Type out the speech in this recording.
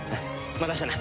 また明日な。